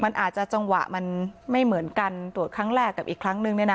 มันอาจจะจังหวะมันไม่เหมือนกันตรวจครั้งแรกกับอีกครั้งนึงเนี่ยนะ